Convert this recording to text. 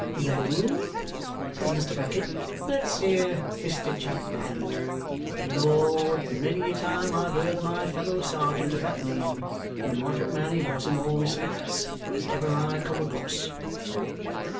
"Then," says Mr. Bucket, "let's hear Mr. Chadband. Lord! Many a time I've heard my old fellow serjeant of that name; and a moderate man he was in all respects, as ever I come across!"